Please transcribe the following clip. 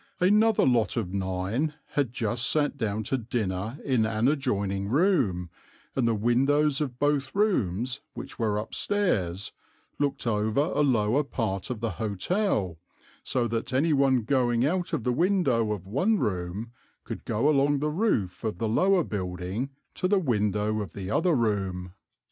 Another lot of nine had just sat down to dinner in an adjoining room, and the windows of both rooms, which were upstairs, looked over a lower part of the hotel, so that any one going out of the window of one room could go along the roof of the lower building to the window of the other room.